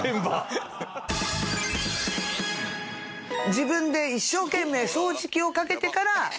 自分で一生懸命掃除機をかけてからルンバ。